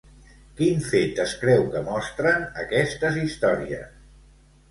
Quin fet es creu que mostren aquestes històries?